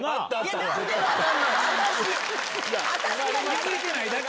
気付いてないだけ。